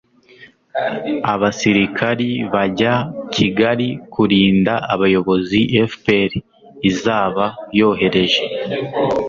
abasirikare bajya kigali kurinda abayobozi fpr izaba yohereje